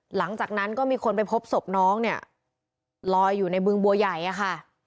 หลังจากนั้นก็มีคนไปพบศพน้องเนี่ยลอยอยู่ในบึงบัวใหญ่อะค่ะ